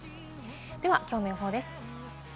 今日の予報です。